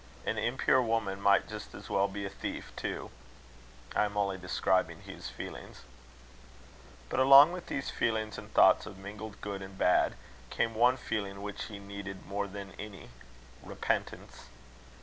An impure woman might just as well be a thief too. I am only describing Hugh's feelings. But along with these feelings and thoughts, of mingled good and bad, came one feeling which he needed more than any repentance.